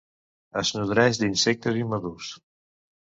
Es nodreix d'insectes immadurs.